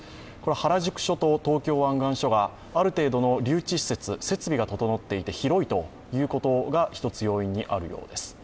原宿署と東京湾岸署がある程度の留置施設、設備が整っていて、広いということが１つ要因にあるようです。